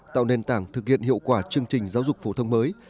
tạo nền tảng thực hiện hiệu quả chương trình giáo dục phổ thông mới